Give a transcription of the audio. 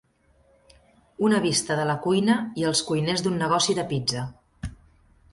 Una vista de la cuina i els cuiners d'un negoci de pizza.